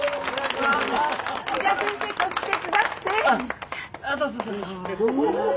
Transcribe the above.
じゃあ先生こっち手伝って。